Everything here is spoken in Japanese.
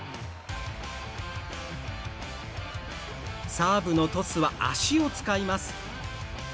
サーブのトスは足を使います。